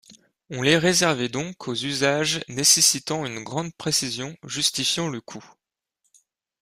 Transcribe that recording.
On les réservait donc aux usages nécessitant une grande précision justifiant le coût.